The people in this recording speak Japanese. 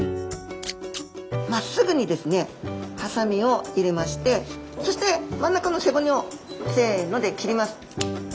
まっすぐにですねハサミを入れましてそして真ん中の背骨をせので切ります。